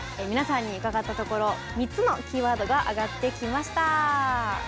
皆さんに伺ったところ３つのキーワードが挙がってきました。